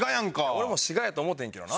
俺も滋賀やと思うてんけどな。